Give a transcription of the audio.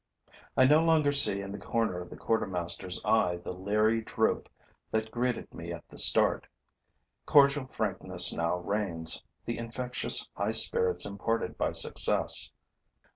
I no longer see in the corner of the quartermaster's eye the leery droop that greeted me at the start. Cordial frankness now reigns, the infectious high spirits imparted by success.